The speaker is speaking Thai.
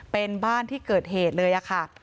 เป็นบ้านที่เกิดเหตุเลยค่ะ